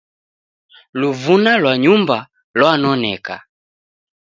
Luvuna lwa nyumba lwanoneka